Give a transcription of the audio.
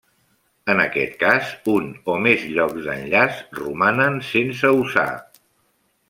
En aquest cas un o més llocs d'enllaç romanen sense usar.